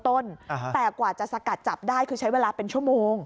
แต่กว่าจะสกัดจับได้คือใช้เวลาเป็นชั่วโมง